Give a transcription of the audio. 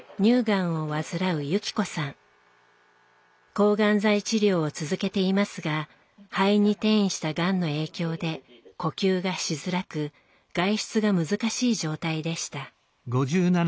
抗がん剤治療を続けていますが肺に転移したがんの影響で呼吸がしづらく外出が難しい状態でした。